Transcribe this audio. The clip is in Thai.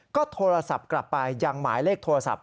ก็โทรศัพท์กลับไปยังหมายเลขโทรศัพท์